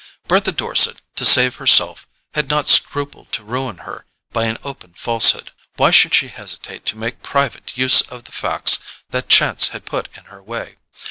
Bertha Dorset, to save herself, had not scrupled to ruin her by an open falsehood; why should she hesitate to make private use of the facts that chance had put in her way?